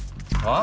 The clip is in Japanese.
あ？